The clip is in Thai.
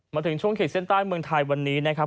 มาถึงช่วงขีดเส้นใต้เมืองไทยวันนี้นะครับ